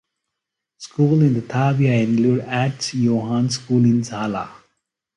Schools in the "tabia" include Atse Yohannes school in Zala.